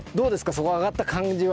そこ上がった感じは。